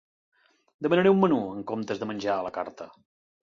Demanaré un menú en comptes de menjar a la carta.